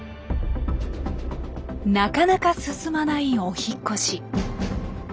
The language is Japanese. なかなか進まないお引っ越し。